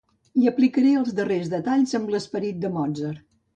Hi aplicaré els darrers detalls amb l'esperit de Mozart.